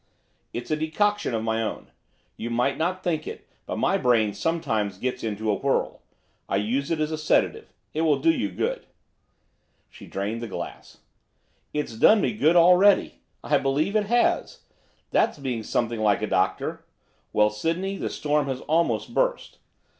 'It's a decoction of my own. You might not think it, but my brain sometimes gets into a whirl. I use it as a sedative. It will do you good.' She drained the glass. 'It's done me good already, I believe it has; that's being something like a doctor. Well, Sydney, the storm has almost burst.